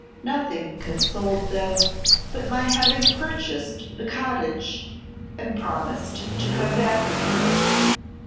Nothing consoled them but my having purchased the cottage, and promised to come back again!"